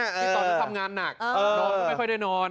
ที่ตอนนั้นทำงานหนักนอนก็ไม่ค่อยได้นอน